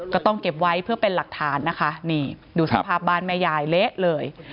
ก็ต้องเก็บไว้เพื่อเป็นหลักฐานนะคะนี่ดูสภาพบ้านแม่ยายเละเลย